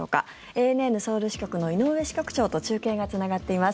ＡＮＮソウル支局の井上支局長と中継がつながっています。